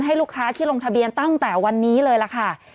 ให้ลูกค้าที่ลงทะเบียนตั้งแต่วันนี้เลยล่ะค่ะ